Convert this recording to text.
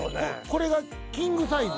これがキングサイズ？